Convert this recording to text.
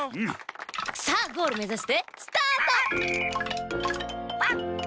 さあゴールめざしてスタート！